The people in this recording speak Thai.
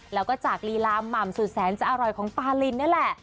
แล้วก็จากลีลาหม่ำสุดแสนจะอร่อยของปาลินนี่แหละ